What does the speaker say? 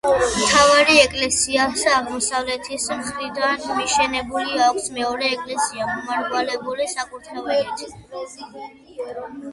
მთავარ ეკლესიას აღმოსავლეთის მხრიდან მიშენებული აქვს მეორე ეკლესია, მომრგვალებული საკურთხევლით.